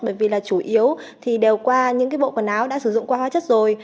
bởi vì là chủ yếu thì đều qua những cái bộ quần áo đã sử dụng qua hóa chất rồi